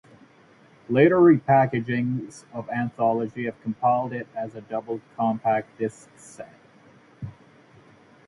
Later repackagings of Anthology have compiled it as a double compact disc set.